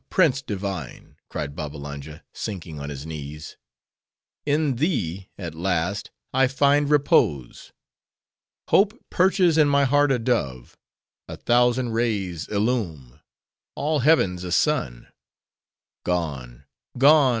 prince divine!" cried Babbalanja, sinking on his knees—"in thee, at last, I find repose. Hope perches in my heart a dove;—a thousand rays illume;—all Heaven's a sun. Gone, gone!